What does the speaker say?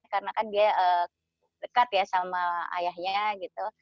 karena kan dia dekat ya sama ayahnya gitu